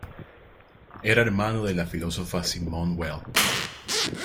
Era hermano de la filósofa Simone Weil.